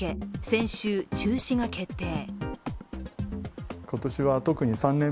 先週中止が決定。